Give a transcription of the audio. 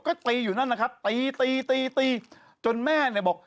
ก็ตีอยู่นั่นนะครับตีตีตีตีจนแม่เนี่ยบอก